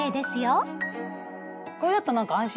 これだとなんか安心。